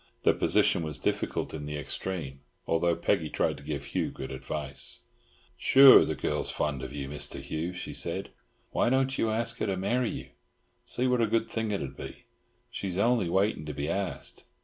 The position was difficult in the extreme, although Peggy tried to give Hugh good advice. "Sure, the girl's fond of you, Mr. Hugh!" she said, "Why don't you ask her to marry you? See what a good thing it'd be? She's only waitin' to be asked."